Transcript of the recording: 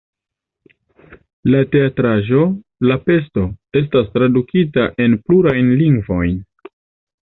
La teatraĵo "La Pesto" estas tradukita en plurajn lingvojn.